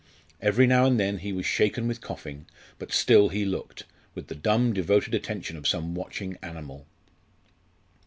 Every now and then he was shaken with coughing, but still he looked with the dumb devoted attention of some watching animal.